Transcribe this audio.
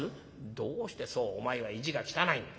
「どうしてそうお前は意地が汚い。